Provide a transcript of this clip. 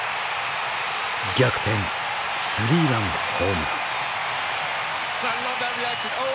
逆転スリーランホームラン。